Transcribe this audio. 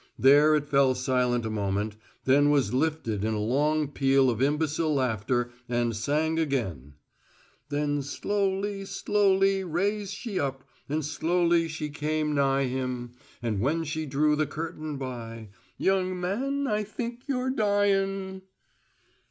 There it fell silent a moment; then was lifted in a long peal of imbecile laughter, and sang again: "Then slowly, slowly rase she up And slowly she came nigh him, And when she drew the curtain by `Young man I think you're dyin'.'"